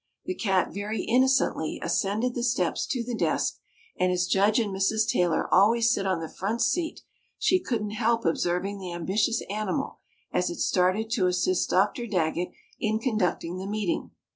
The cat very innocently ascended the steps to the desk and as Judge and Mrs. Taylor always sit on the front seat, she couldn't help observing the ambitious animal as it started to assist Dr. Daggett in conducting the meeting.